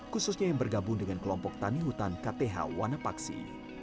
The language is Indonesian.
khususnya yang bergabung dengan kelompok tani hutan kth wanapaksi